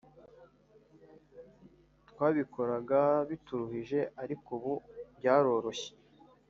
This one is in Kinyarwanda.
twabikoraga bituruhije ariko ubu byaroroshye